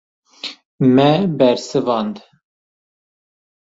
Me bersivand.